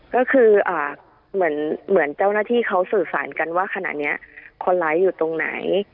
ก็คือเหมือนเจ้าหน้าที่เขาสื่อสารกันว่าขณะนี้คนร้ายอยู่ตรงไหน